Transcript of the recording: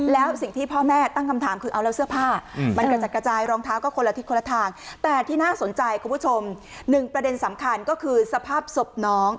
แล้วสิ่งที่พ่อแม่ตั้งคำถามคือเอาแล้วเสื้อผ้ามันกระจัดกระจายรองเท้าก็คนละทิศคนละทางแต่ที่น่าสนใจคุณผู้ชมหนึ่งประเด็นสำคัญก็คือสภาพศพน้อง